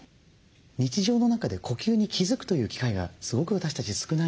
日常の中で呼吸に気付くという機会がすごく私たち少ないんです。